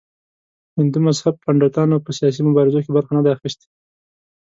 هندو مذهب پنډتانو په سیاسي مبارزو کې برخه نه ده اخیستې.